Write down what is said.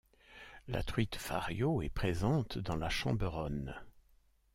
La truite Fario est présente dans la Chamberonne.